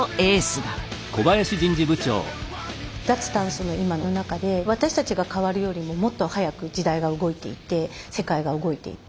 脱炭素の今の中で私たちが変わるよりももっと速く時代が動いていて世界が動いていて。